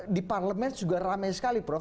di parlemen juga ramai sekali prof